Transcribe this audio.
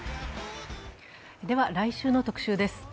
来週の特集です。